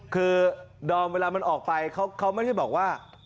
คือดอมเวลามันออกไปเขาไม่ได้บอกว่า